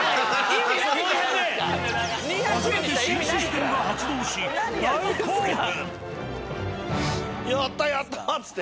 初めて新システムが発動し大興奮。